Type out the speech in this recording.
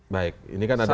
baik ini kan ada